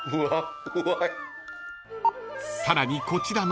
［さらにこちらの］